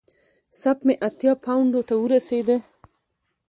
سپ مې اتیا پونډو ته ورسېده.